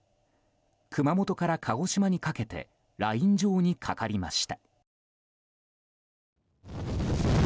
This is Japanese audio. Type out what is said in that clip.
熊本から鹿児島にかけてライン状にかかりました。